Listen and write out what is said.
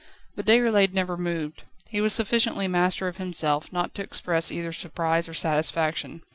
But Déroulède never moved. He was sufficiently master of himself not to express either surprise or satisfaction.